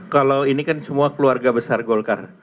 kalau ini kan semua keluarga besar golkar